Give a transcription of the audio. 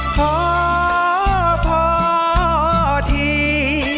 ขอขอที่